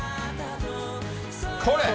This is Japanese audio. これ。